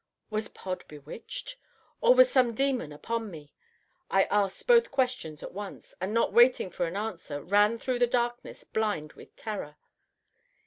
Was Pod bewitched? Or was some demon upon me? I asked both questions at once, and not waiting for an answer, ran through the darkness blind with terror.